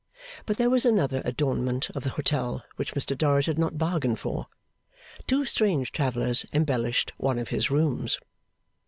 But there was another adornment of the hotel which Mr Dorrit had not bargained for. Two strange travellers embellished one of his rooms.